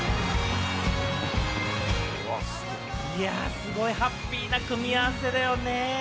すごいハッピーな組み合わせだよね。